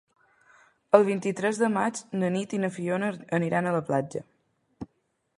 El vint-i-tres de maig na Nit i na Fiona aniran a la platja.